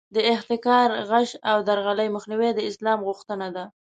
د احتکار، غش او درغلۍ مخنیوی د اسلام غوښتنه ده.